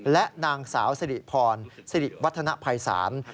และนางสาวสิริพรสิริวัฒนภัยศาล